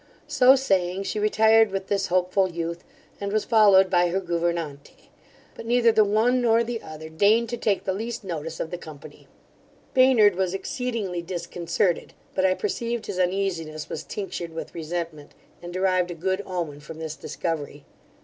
So saying, she retired with this hopeful youth, and was followed by her gouvernante: but neither the one nor the other deigned to take the least notice of the company. Baynard was exceedingly disconcerted; but I perceived his uneasiness was tinctured with resentment, and derived a good omen from this discovery.